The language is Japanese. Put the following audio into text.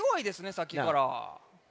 さっきから。